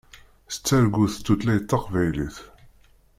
Tettargu s tutlayt taqbaylit.